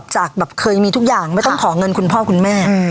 จากแบบเคยมีทุกอย่างไม่ต้องขอเงินคุณพ่อคุณแม่